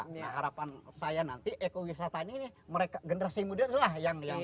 nah harapan saya nanti ekowisata ini generasi muda inilah yang mengelola